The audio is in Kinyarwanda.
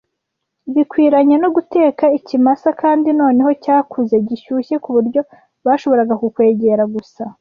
bikwiranye no guteka ikimasa, kandi noneho cyakuze gishyushye kuburyo bashoboraga kukwegera gusa